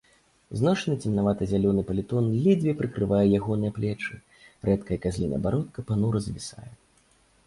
Зношаны цемнавата-зялёны палітон ледзьве прыкрывае ягоныя плечы, рэдкая казліная бародка панура звісае.